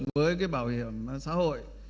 với cái bảo hiểm xã hội